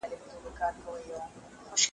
د خوني زمري له خولې وو تښتېدلی .